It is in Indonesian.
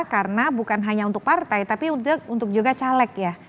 karena bukan hanya untuk partai tapi untuk juga caleg ya